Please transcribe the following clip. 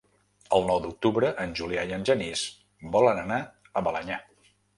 El nou d'octubre en Julià i en Genís volen anar a Balenyà.